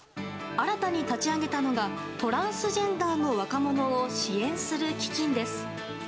新たに立ち上げたのがトランスジェンダーの若者を支援する基金です。